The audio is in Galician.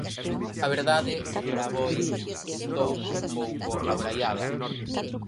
A verdade, señora Aboi, estou un pouco abraiada.